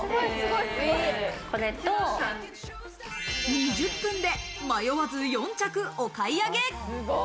２０分で迷わず４着お買い上げ。